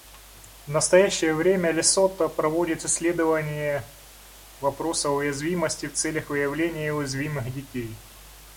В настоящее время Лесото проводит исследование вопроса уязвимости в целях выявления уязвимых детей.